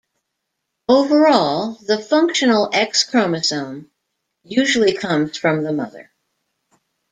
Overall, the functional X chromosome usually comes from the mother.